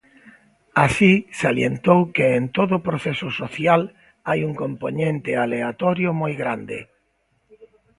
Así, salientou que en todo proceso social hai un compoñente aleatorio moi grande.